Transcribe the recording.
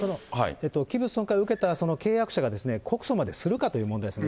器物損壊を受けた契約者が、告訴までするかという問題ですね。